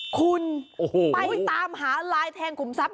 คุณไปตามหาลายแทงขุมทรัพย